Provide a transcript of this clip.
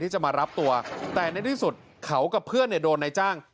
ที่จะมารับตัวแต่ในที่สุดเขากับเพื่อนโดนในจ้าง